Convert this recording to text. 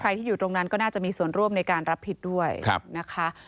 ที่อยู่ตรงนั้นก็น่าจะมีส่วนร่วมในการรับผิดด้วยนะคะ